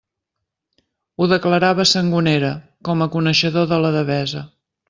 Ho declarava Sangonera, com a coneixedor de la Devesa.